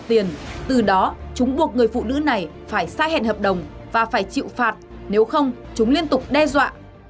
tiền từ đó chúng buộc người phụ nữ này phải xa hẹn hợp đồng và phải chịu phạt nếu không chúng liên tục đe dọa